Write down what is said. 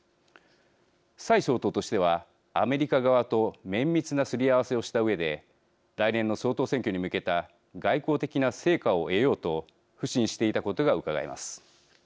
蔡総統としてはアメリカ側と綿密なすり合わせをしたうえで来年の総統選挙に向けた外交的な成果を得ようと腐心していたことがうかがえます。